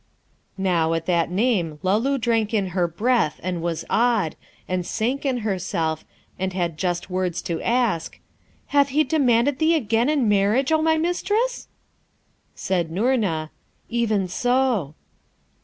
Now, at that name Luloo drank in her breath and was awed, and sank in herself, and had just words to ask, 'Hath he demanded thee again in marriage, O my mistress?' Said Noorna, 'Even so.'